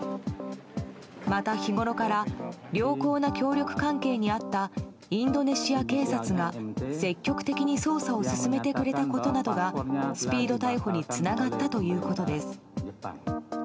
また、日ごろから良好な協力関係にあったインドネシア警察が、積極的に捜査を進めてくれたことなどがスピード逮捕につながったということです。